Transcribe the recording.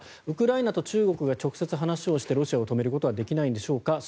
ウクライナと中国が直接話をしてロシアを止めることはできないんでしょうか。